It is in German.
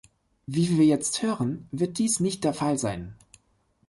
Wie wir jetzt hören, wird dies nicht der Fall sein.